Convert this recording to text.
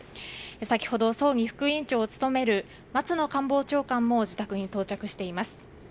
先ほど葬儀副委員長を務める松野官房長官も自宅に到着しています。